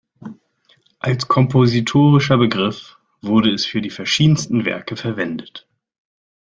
Als kompositorischer Begriff wurde es für die verschiedensten Werke verwendet.